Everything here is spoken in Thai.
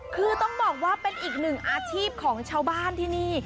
คือต้องบอกว่าเป็นอีกหนึ่งอาชีพของชาวบ้านที่นี่